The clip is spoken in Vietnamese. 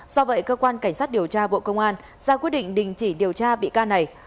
do vậy cơ quan cảnh sát điều tra bộ công an ra quyết định đình chỉ điều tra bị can này